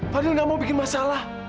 padahal gak mau bikin masalah